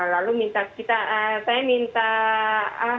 lalu saya minta saran dan pendapat